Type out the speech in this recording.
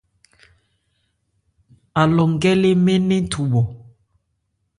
Alɔ nkɛ́ lé mɛ́n nnɛn thubhɔ.